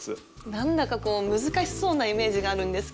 何だかこう難しそうなイメージがあるんですけども。